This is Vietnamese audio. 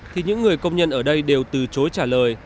thì những người công nhân ở đây đều từ chối trả lời